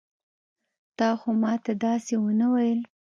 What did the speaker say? تا خو ما ته داسې ونه ويل.